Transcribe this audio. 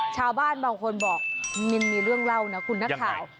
ชาวบ้านบางคนบอกมันมีเรื่องเล่านะคุณนักข่าว